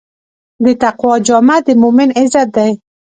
د تقوی جامه د مؤمن عزت دی.